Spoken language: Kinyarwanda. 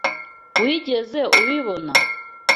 Wigeze ubibona?